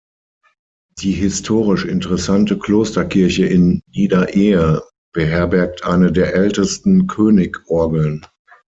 Die historisch interessante Klosterkirche in Niederehe beherbergt eine der ältesten König-Orgeln.